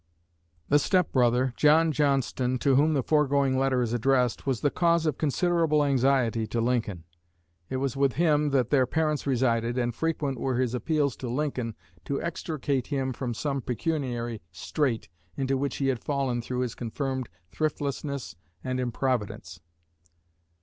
The step brother, John Johnston, to whom the foregoing letter is addressed, was the cause of considerable anxiety to Lincoln. It was with him that their parents resided, and frequent were his appeals to Lincoln to extricate him from some pecuniary strait into which he had fallen through his confirmed thriftlessness and improvidence.